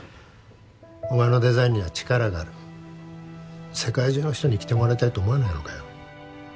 お前のデザインには力がある世界中の人に着てもらいたいと思わないのかよ？